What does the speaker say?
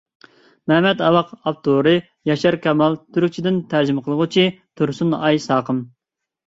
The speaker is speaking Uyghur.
مەمەت ئاۋاق ئاپتورى: ياشار كامال تۈركچىدىن تەرجىمە قىلغۇچى: تۇرسۇنئاي ساقىم